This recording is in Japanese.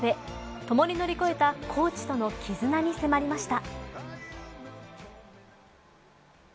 共に乗り越えたコーチとの絆に迫りました。